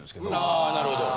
ああなるほど。